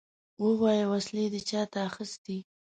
ووايه! وسلې دې چاته اخيستې؟